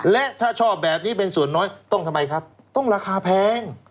และถ้าชอบแบบนี้เป็นส่วนน้อยต้องทำไมครับต้องราคาแพง